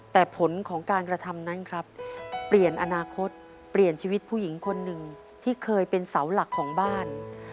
แต่ผลของการกระทำนั้นครับเปลี่ยนอนาคตเปลี่ยนชีวิตผู้หญิงคนหนึ่งที่เคยเป็นเสาหลักของบ้าน